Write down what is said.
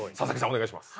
お願いします。